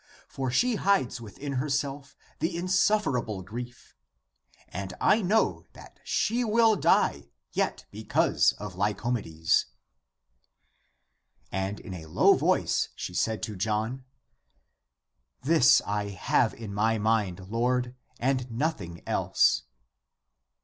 For she hides within herself the insufferable grief. And I know that she will die yet because of Lyco medes." And in a low voice she said to John, " This I have in my mind, Lord, and nothing else."